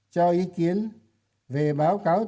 cho ý kiến về báo cáo